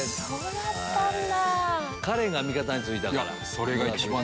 お願いします。